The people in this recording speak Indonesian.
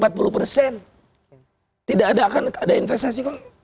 tidak akan ada investasi